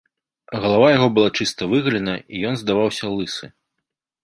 Галава яго была чыста выгалена, і ён здаваўся лысы.